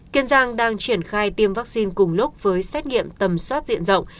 kiên giang đang triển khai tiêm vaccine cùng lúc với xét nghiệm tầm soát diện rộng